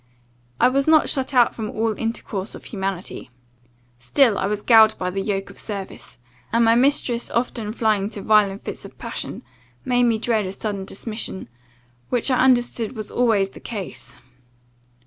I was not shut out from all intercourse of humanity. Still I was galled by the yoke of service, and my mistress often flying into violent fits of passion, made me dread a sudden dismission, which I understood was always the case.